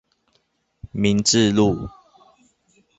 民治路